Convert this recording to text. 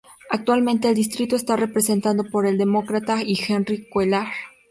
Actualmente el distrito está representado por el Demócrata Henry Cuellar.